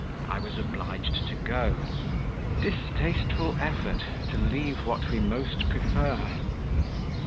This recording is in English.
I was obliged to go. Distasteful effort to leave what we most prefer!